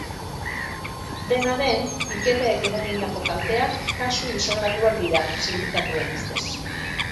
Dena den, piketeek eragindako kalteak kasu isolatuak dira, sindikatuen ustez.